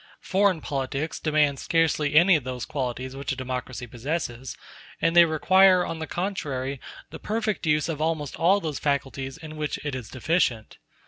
Foreign politics demand scarcely any of those qualities which a democracy possesses; and they require, on the contrary, the perfect use of almost all those faculties in which it is deficient.